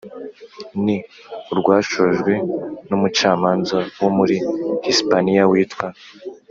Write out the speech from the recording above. ni urwashojwe n'umucamanza wo muri hispaniya witwa